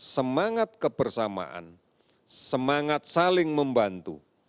semangat kebersamaan semangat saling membantu